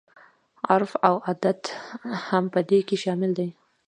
عرف او عادت هم په دې کې شامل دي.